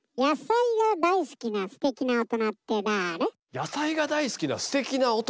野菜が大好きなすてきな大人。